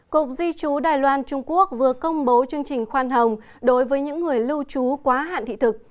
cục di trú đài loan trung quốc vừa công bố chương trình khoan hồng đối với những người lưu trú quá hạn thị thực